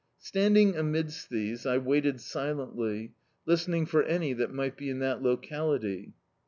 Standing amidst these I waited silently, listening for any that might be in that locality.